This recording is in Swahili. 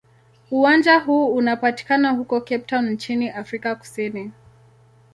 Uwanja huu unapatikana huko Cape Town nchini Afrika Kusini.